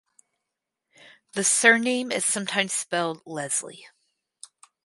The surname is sometimes spelled "Lesley".